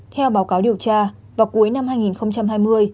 theo báo cáo điều tra vào cuối năm hai nghìn hai mươi